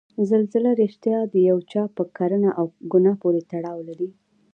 زلزله ریښتیا د یو چا په کړنه او ګناه پورې تړاو لري؟